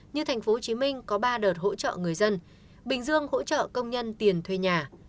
như tp hcm có ba đợt hỗ trợ người dân bình dương hỗ trợ công nhân tiền thuê nhà